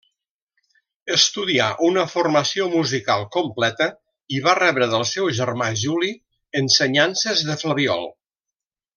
Estudià una formació musical completa i va rebre del seu germà Juli ensenyances de flabiol.